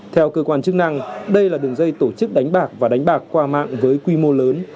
theo cơ quan chức năng đây là đường dây tổ chức đánh bạc và đánh bạc qua mạng với quy mô lớn